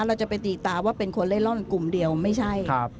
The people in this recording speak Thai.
เราจะไปตีตาว่าเป็นคนเล่นร่อนกลุ่มเดียวไม่ใช่ครับ